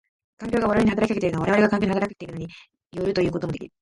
環境が我々に働きかけるのは我々が環境に働きかけるのに依るということもできる。